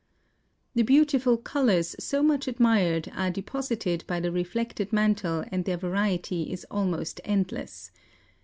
The beautiful colors so much admired are deposited by the reflected mantle and their variety is almost endless.